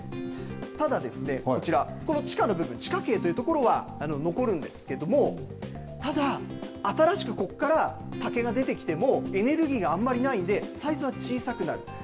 ただ、こちら、これ、地下の部分、地下茎というところは残るんですけれども、ただ、新しくここから竹が出てきても、エネルギーがあんまりないんで、サイズは小さくなる。